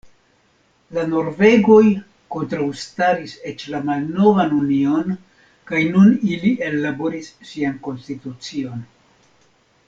La norvegoj kontraŭstaris eĉ la malnovan union kaj nun ili ellaboris sian konstitucion.